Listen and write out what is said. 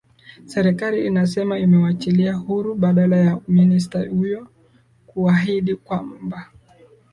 serekali inasema imemwachilia huru baada ya minister huyo kuhaidi kwamba